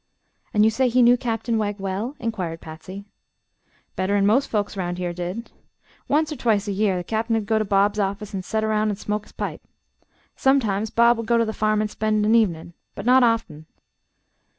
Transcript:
"And you say he knew Captain Wegg well?" inquired Patsy. "Better 'n' most folks 'round here did. Once er twicet a year the Cap'n 'd go to Bob's office an' set around an' smoke his pipe. Sometimes Bob would go to the farm an' spend an' ev'nin'; but not often.